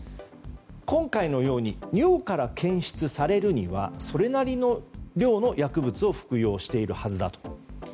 今回のように尿から検出されるにはそれなりの量の薬物を服用しているはずだと。